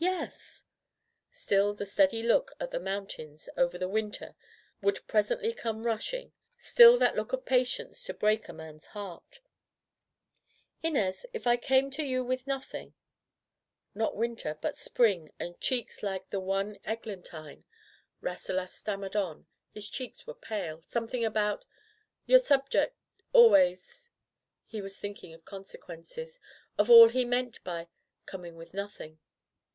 Yes/' Still the steady look at the mountains over which winter would presently come rush ing; still that look of patience, to break a man's heart. "Inez, if I came to you with nothing '* Not winter, but spring, and cheeks like [ 192 ] Digitized by LjOOQ IC Rasselas in the Vegetable Kingdom the one eglantine. Rasselas stammered on — his cheeks were pale — something about "Your subject — always —" He was thinking of consequences, of all he meant by "com ing with nothing."